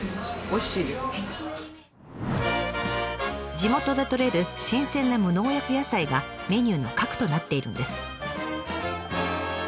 地元でとれる新鮮な無農薬野菜がメニューの核となっているんです。